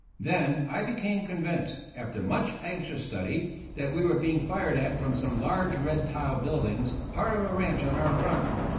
Then I became convinced, after much anxious study, that we were being fired at from some large red tiled buildings, part of a ranch on our front.